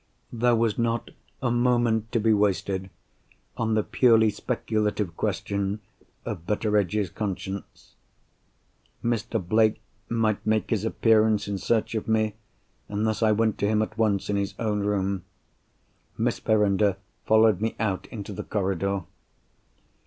There was not a moment to be wasted on the purely speculative question of Betteredge's conscience. Mr. Blake might make his appearance in search of me, unless I went to him at once in his own room. Miss Verinder followed me out into the corridor.